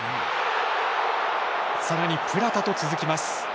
更に、プラタと続きます。